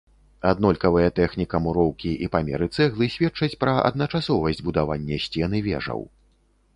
Аднолькавыя тэхніка муроўкі і памеры цэглы сведчаць пра адначасовасць будавання сцен і вежаў.